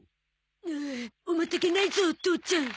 おおおまたげないゾ父ちゃん。